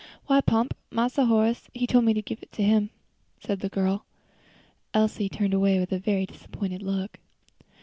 "Why, Pomp, Massa Horace he told me to give it to him," said the girl. Elsie turned away with a very disappointed look.